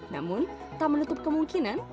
namun tak menutup kemungkinan